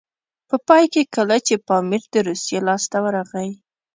په پای کې کله چې پامیر د روسیې لاسته ورغی.